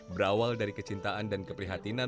berawal dari kecintaan dan keprihatinan